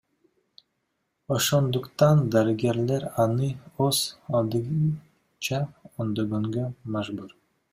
Ошондуктан дарыгерлер аны өз алдынча оңдогонго мажбур.